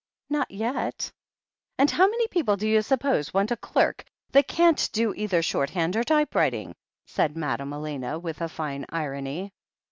"Not yet." "And how many people, do you suppose, want a derk that can't do either shorthand or typewriting?" said Madame Elena, with a fine irony.